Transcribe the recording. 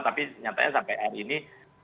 tapi nyatanya sampai hari ini